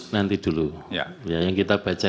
nanti dulu ya yang kita baca